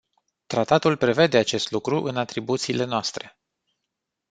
Tratatul prevede acest lucru în atribuțiile noastre.